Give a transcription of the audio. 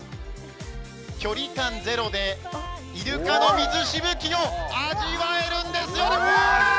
距離感ゼロで、イルカの水しぶきを味わえるんですよ！